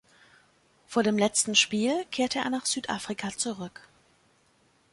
Vor dem letzten Spiel kehrte er nach Südafrika zurück.